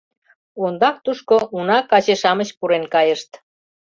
Ондак тушко уна каче-шамыч пурен кайышт.